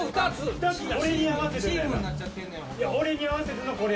俺に合わせてのやもん